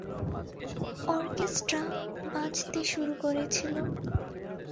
Orchestra বাজতে শুরু করেছিল।